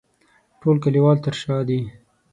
ټول کلیوال تر شا دي.